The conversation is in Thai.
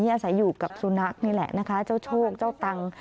อาศัยอยู่กับสุนัขนี่แหละนะคะเจ้าโชคเจ้าตัง